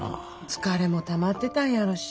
疲れもたまってたんやろし。